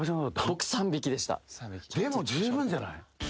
僕でも十分じゃない？